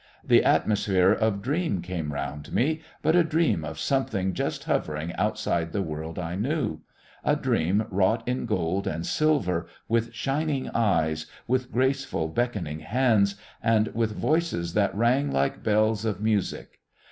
The atmosphere of dream came round me, but a dream of something just hovering outside the world I knew a dream wrought in gold and silver, with shining eyes, with graceful beckoning hands, and with voices that rang like bells of music....